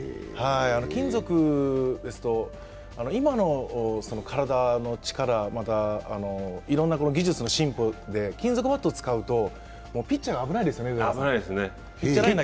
金属ですと今の体の力、いろんな技術の進歩で、金属バットを使うとピッチャーが危ないですね、上原さん。